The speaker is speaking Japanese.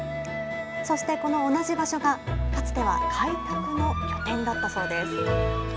そしてこの同じ場所が、かつては開拓の拠点だったそうです。